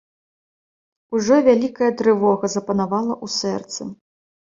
Ужо вялікая трывога запанавала ў сэрцы.